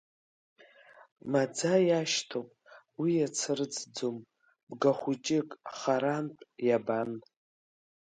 Маӡа иашьҭоуп уи иацрыҵӡом бгахәыҷык, харантә иабан.